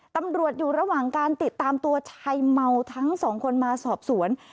ตำรวจอยู่ระหว่างการติดตามตัวชายเมาทั้งสองคนมาสอบสวน